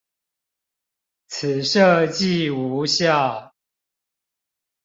此設計無效